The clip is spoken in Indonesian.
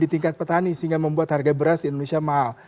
tani sehingga membuat harga beras di indonesia mahal